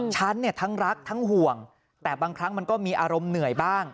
ฉันเนี่ยทั้งรักทั้งห่วงแต่บางครั้งมันก็มีอารมณ์เหนื่อยบ้าง